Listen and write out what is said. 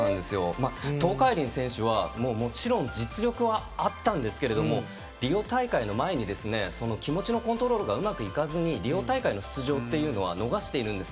東海林選手はもちろん実力はあったんですがリオ大会の前に気持ちのコントロールがうまくいかずにリオ大会の出場というのは逃しているんです。